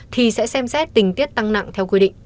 thì sẽ xem xét tình tiết tăng nặng theo quy định